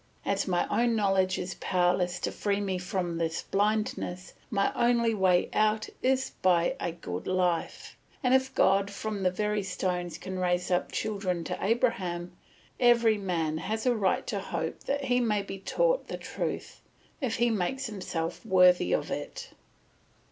As my own knowledge is powerless to free me from this blindness, my only way out of it is by a good life; and if God from the very stones can raise up children to Abraham, every man has a right to hope that he may be taught the truth, if he makes himself worthy of it.